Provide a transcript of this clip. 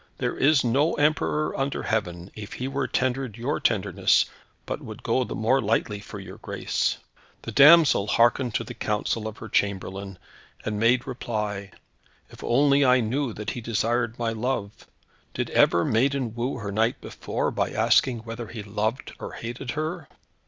There is no Emperor, under Heaven, if he were tendered your tenderness, but would go the more lightly for your grace." The damsel hearkened to the counsel of her chamberlain, and made reply, "If only I knew that he desired my love! Did ever maiden woo her knight before, by asking whether he loved or hated her?